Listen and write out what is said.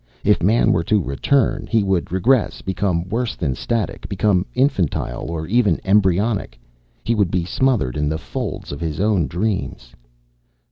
If man were to return, he would regress, become worse than static, become infantile or even embryonic. He would be smothered in the folds of his own dreams."